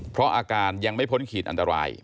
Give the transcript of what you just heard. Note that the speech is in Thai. เพราะอาการยังไม่พ้นขีดอันตราย